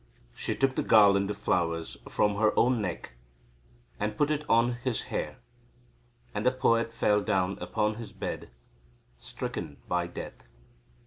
She took the garland of flowers from her own neck, and put it on his hair, and the poet fell down upon his bed stricken by death.